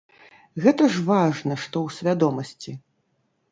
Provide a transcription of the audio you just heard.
Гэта ж важна, што ў свядомасці.